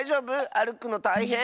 あるくのたいへん？